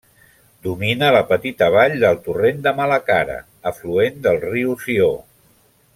Domina la petita vall del torrent de Malacara, afluent del riu Sió.